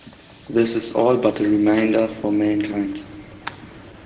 This is all but a reminder for mankind.